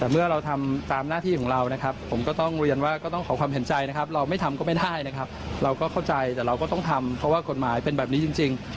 เพราะว่ากฎหมายเป็นแบบนี้จริง